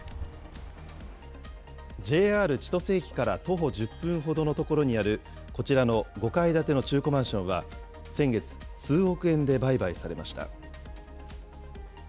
ＪＲ千歳駅から徒歩１０分ほどの所にある、こちらの５階建ての中古マンションは、先月、数億円で売買されました。